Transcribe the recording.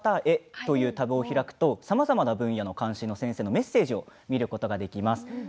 大人の方へというタブを開くとさまざまな分野の監修の先生のメッセージを見ることができます。